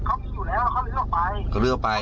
ได้ครับเขามาอยู่แล้วแล้วเขาเหลือกไป